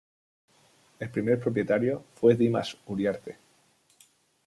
El primer propietario fue Dimas Uriarte.